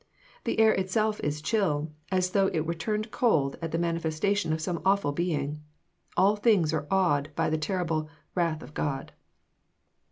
The air itself is chill, as though it were turned cold at the manifestation of some awful being. All things are awed by the terrible "Wrath of God."